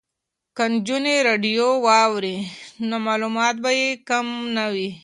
که نجونې راډیو واوري نو معلومات به یې کم نه وي.